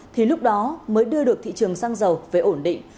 thì lúc đó mới đưa được thị trường xăng dầu về ổn định